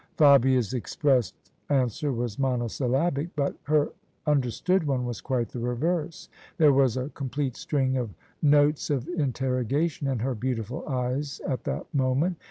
" Fabia's expressed answer was monosyllabic, but her understood one was quite the reverse: there was a com plete string of notes of interrogation in her beautiful eyes at that moment.